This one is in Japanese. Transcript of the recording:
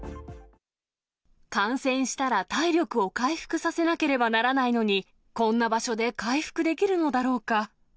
感染したら体力を回復させなければならないのに、こんな場所で回復できるのだろうか。